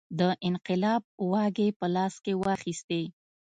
د انقلاب واګې په لاس کې واخیستې.